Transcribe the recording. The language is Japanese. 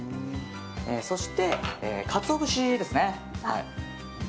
そしてカツオ節ですね。